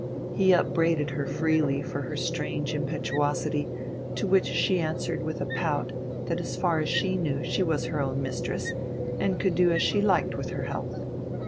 He upbraided her freely for her strange impetuosity, to which she answered with a pout that as far as she knew she was her own mistress, and could do as she liked with her health.